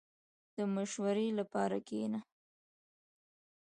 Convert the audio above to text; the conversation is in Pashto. • د مشورې لپاره کښېنه.